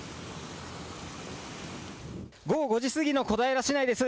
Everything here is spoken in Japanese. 午後５時過ぎの小平市内です。